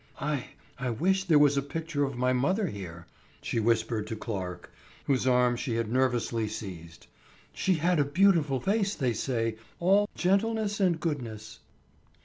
"I—I wish there was a picture of my mother here," she whispered to Clarke, whose arm she had nervously seized. "She had a beautiful face, they say, all gentleness and goodness."